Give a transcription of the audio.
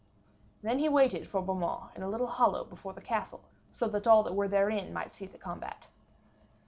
Then he waited for Beaumains in a little hollow before the castle, so that all that were therein might see the combat.